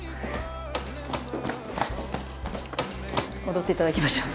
踊っていただきましょう。